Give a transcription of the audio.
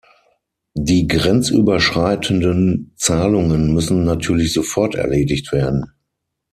Die grenzüberschreitenden Zahlungen müssen natürlich sofort erledigt werden.